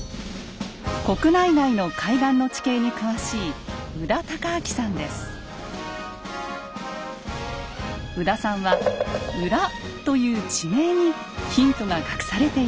国内外の海岸の地形に詳しい宇多さんは「浦」という地名にヒントが隠されているといいます。